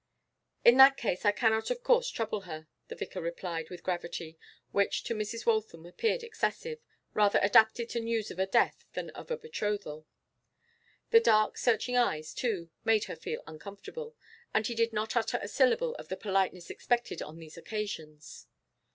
'In that case I cannot of course trouble her,' the vicar replied, with gravity which to Mrs. Waltham appeared excessive, rather adapted to news of a death than of a betrothal. The dark searching eyes, too, made her feel uncomfortable. And he did not utter a syllable of the politeness expected on these occasions.